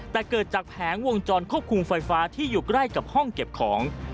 แต่เกิดจากแผงวงจรควบคุมไฟฟ้าที่อยู่ใกล้กับห้องเก็บของ